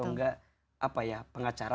atau enggak apa ya pengacara